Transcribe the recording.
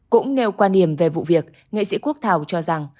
cũng nêu quan điểm về vụ việc nghệ sĩ quốc thảo cho rằng